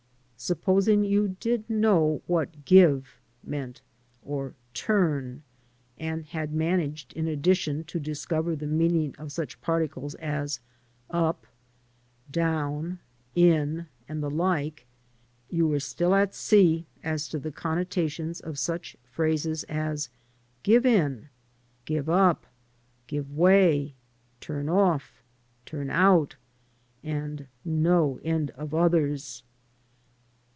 Supposing you did know what "give*' meant, or "turn,*' and had managed, in addition, to discover the meaning of such particles as "up, "down," "in," and the like, you were still at sea as to the connotations of such phrases as "give in," "give up," "give way," "turn oflf," "turn out," and no end of others.